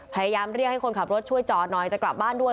พยายามเรียกให้คนขับรถช่วยจอดหน่อยจะกลับบ้านด้วย